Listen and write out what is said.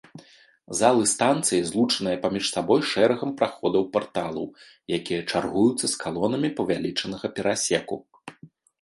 Залы станцыі злучаныя паміж сабой шэрагам праходаў-парталаў, якія чаргуюцца з калонамі павялічанага перасеку.